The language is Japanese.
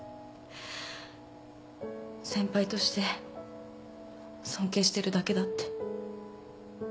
先輩として尊敬してるだけだって。